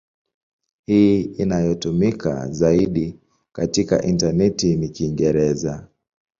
Hii inayotumika zaidi katika intaneti ni Kiingereza.